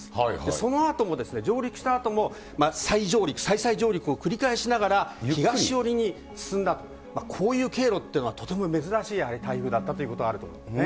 そのあともですね、上陸したあとも再上陸、再々上陸を繰り返しながら東寄りに進んだと、こういう経路というのはとても珍しい台風だったということはあると思うんですね。